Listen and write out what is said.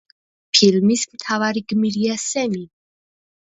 ფილმის მთვარი გმირია სემი.